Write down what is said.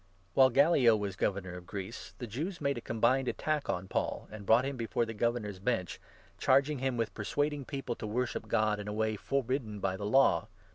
While Gallio was governor of Greece, the Jews made a 12 combined attack on Paul, and brought him before the Gover nor's Bench, charging him with persuading people to worship 13 God in a way forbidden by the Law.